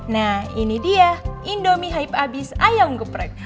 nah ini dia indomie hype abis ayam geprek